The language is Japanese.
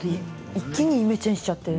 一気にイメチェンしちゃって。